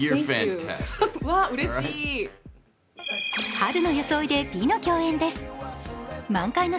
春の装いで美の共演です。